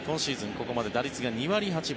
ここまで打率が２割８分。